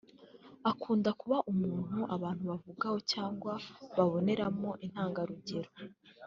Akunda kuba umuntu abantu bavugaho cyangwa babonamo intangarugero